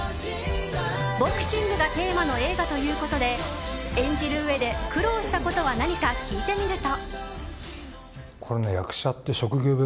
ボクシングがテーマの映画ということで演じるうえで苦労したことは何か聞いてみると。